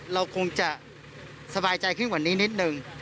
เราคงจะสบายใจขึ้นกว่านี้นิดนึง